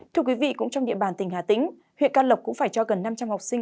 thưa quý vị cũng trong địa bàn tỉnh hà tĩnh huyện can lộc cũng phải cho gần năm trăm linh học sinh